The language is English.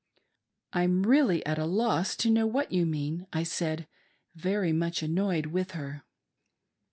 " I'm really at a loss to know what you mean," I said, very much annoyed with her.